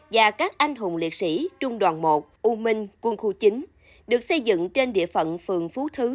và các anh hùng liệt sĩ trung đoàn một u minh quân khu chín được xây dựng trên địa phận phường phú thứ